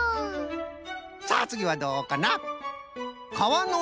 さあつぎはどうかな？